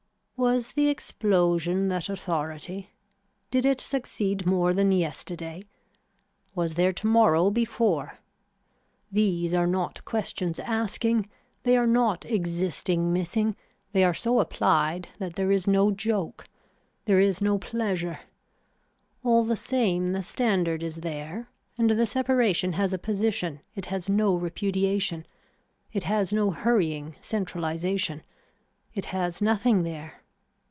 Was the explosion that authority, did it succeed more than yesterday, was there tomorrow before, these are not questions asking, they are not existing missing, they are so applied that there is no joke, there is no pleasure. All the same the standard is there and the separation has a position, it has no repudiation, it has no hurrying centralization, it has nothing there.